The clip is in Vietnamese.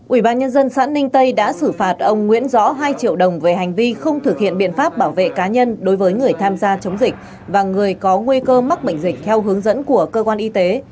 ubnd xã ninh tây đã xử phạt ông nguyễn gió hai triệu đồng về hành vi không thực hiện biện pháp bảo vệ cá nhân đối với người tham gia chống dịch và người có nguy cơ mắc bệnh dịch theo hướng dẫn của cơ quan y tế